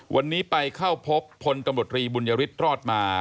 วันนี้ไปเข้าพบพลตำรวจรีบุญยฤทธิ์รอดมา